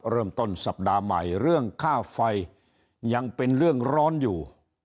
เริ่มต้นสัปดาห์ใหม่เรื่องค่าไฟยังเป็นเรื่องร้อนอยู่